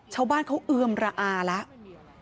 ชาวบ้านเขาเอือมระอาแล้ว